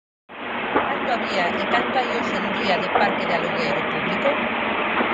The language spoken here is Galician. ¿Canto había e canto hai hoxe en día de parque de alugueiro público?